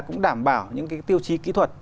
cũng đảm bảo những cái tiêu chí kỹ thuật